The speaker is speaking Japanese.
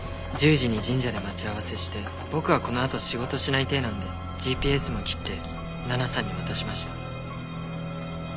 １０時に神社で待ち合わせして僕はこのあと仕事しない体なんでＧＰＳも切って奈々さんに渡しました。